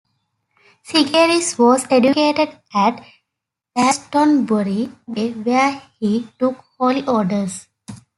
Sigeric was educated at Glastonbury Abbey, where he took holy orders.